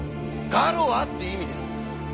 「ガロア」っていう意味です。